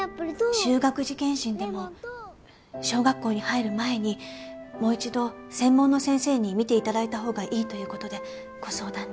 就学時健診でも小学校に入る前にもう一度専門の先生に診て頂いたほうがいいという事でご相談に。